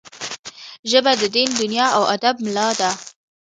ژبه د دین، دنیا او ادب ملا ده